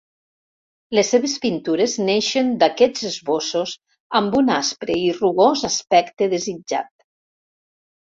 Les seves pintures neixen d'aquests esbossos amb un aspre i rugós aspecte desitjat.